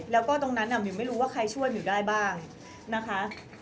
แล้วก็ตรงนั้นมิวไม่รู้ว่าใครช่วยหมิวได้บ้างนะคะ